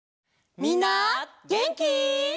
みんなげんき！